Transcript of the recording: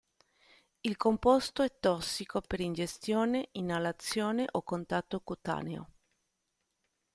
Il composto è tossico per ingestione, inalazione o contatto cutaneo.